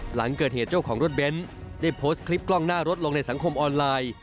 หลังเกิดเหตุเจ้าของรถเบนท์ได้โพสต์คลิปกล้องหน้ารถลงในสังคมออนไลน์